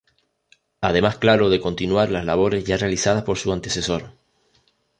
Además claro de continuar las labores ya realizadas por su antecesor.